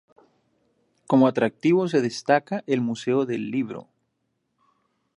Como atractivo se destaca el Museo del Libro.